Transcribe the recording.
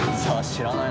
知らない？